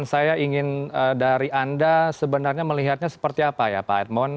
saya ingin dari anda sebenarnya melihatnya seperti apa ya pak edmond